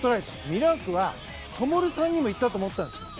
ミラークは灯さんにも言ったと思うんです。